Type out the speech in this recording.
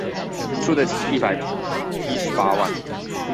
出得起一百一十八萬